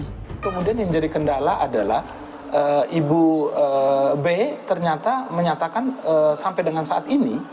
nah kemudian yang menjadi kendala adalah ibu b ternyata menyatakan sampai dengan saat ini